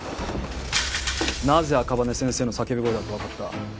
なぜ赤羽先生の叫び声だって分かった？